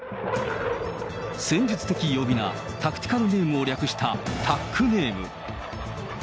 戦術的呼び名・タクティカルネームを略したタックネーム。